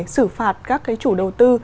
xử phạt các cái chủ đầu tư